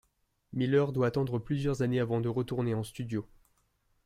Miller doit attendre plusieurs années avant de retourner en studio.